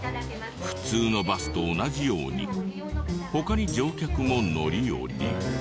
普通のバスと同じように他に乗客も乗り降り。